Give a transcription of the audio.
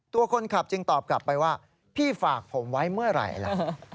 ตัวคนขับจึงตอบกลับไปว่าพี่ฝากผมไว้เมื่อไหร่ล่ะ